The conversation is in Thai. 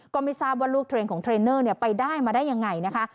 กรมิสาบวลูกเทรนของเทรนเนอร์ไปได้มาได้อย่างไรนะคะ